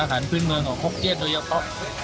อ่านขึ้นเมืองวิพันธ์ของโคเครสตัวเฉพาะ